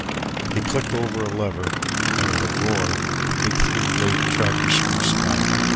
He clicked over a lever and with a roar the big three bladed tractor screw spun.